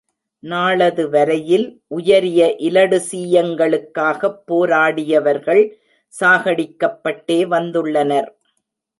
நாளது வரையில் உயரிய இலடுசீயங்களுக்காகப் போராடியவர்கள் சாகடிக்கப் பட்டே வந்துள்ளனர்.